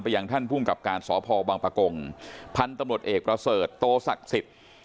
ยังท่านภูมิกับการสพบังปะกงพันธุ์ตำรวจเอกประเสริฐโตศักดิ์สิทธิ์